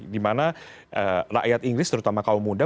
di mana rakyat inggris terutama kaum muda